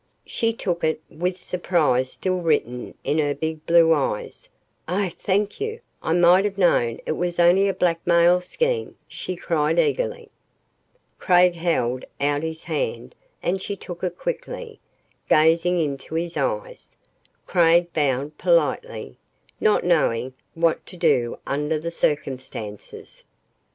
She took it, with surprise still written in her big blue eyes. "Oh thank you I might have known it was only a blackmail scheme," she cried eagerly. Craig held out his hand and she took it quickly, gazing into his eyes. Craig bowed politely, not quite knowing what to do under the circumstances.